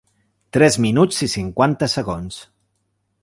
Tres minuts i cinquanta segons.